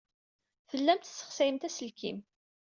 Tellamt tessexsayemt aselkim.